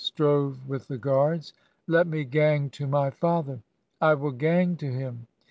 . strove with the guards. ... 'Let me gang to my father! I tmll gang to him!